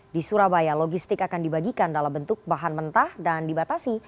di surabaya logistik akan dibagikan dalam bentuk bahan mentah dan dibatasi